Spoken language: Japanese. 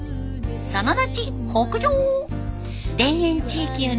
その後北上。